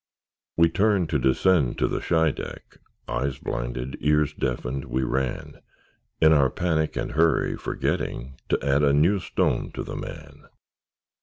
We turned to descend to the Scheideck, Eyes blinded, ears deafened, we ran, In our panic and hurry, forgetting To add a new stone to the man.